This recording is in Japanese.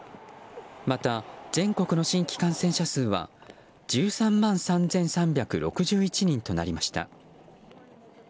また、全国の新規感染者数は１３万３３６１人となりました。